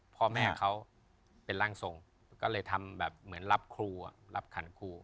พ่อแม่เขาเป็นร่างทรงก็เลยทำแบบเหมือนรับครูรับขันครู